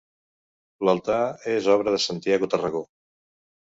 L'altar és obra de Santiago Tarragó.